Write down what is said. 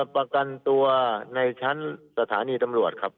ประกันตัวในชั้นสถานีตำรวจครับ